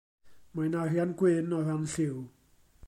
Mae'n arian-gwyn o ran lliw.